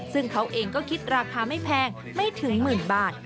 ซึ่งเขาเองก็คิดราคาไม่แพงไม่ถึงหมื่นบาท